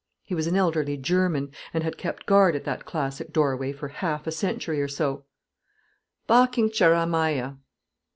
He was an elderly German, and had kept guard at that classic doorway for half a century or so; "Parking Cheremiah."